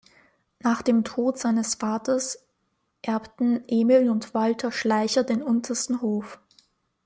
Nach dem Tod seines Vaters erbten Emil und Walter Schleicher den Untersten Hof.